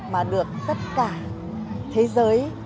mà được tất cả thế giới